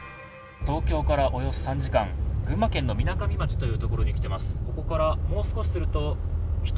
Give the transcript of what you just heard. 東京からおよそ３時間、群馬県のみなかみ町というところに来ています。